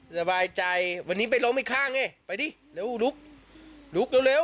สบายใจวันนี้ไปล้มให้ข้างเนี่ยไปดิเร็วลุกลุกเร็ว